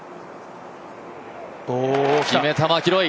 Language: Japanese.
決めました、マキロイ！